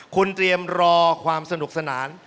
คุณเตรียมรอความสนุกสนาน